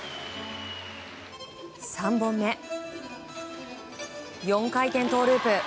３本目、４回転トウループ。